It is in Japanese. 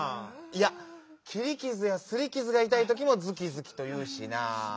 いやきりきずやすりきずがいたいときも「ずきずき」というしなぁ。